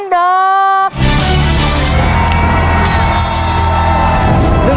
๑ดอก